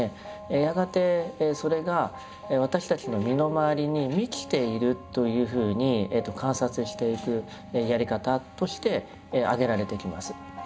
やがてそれが私たちの身の回りに満ちているというふうに観察していくやり方として挙げられていきます。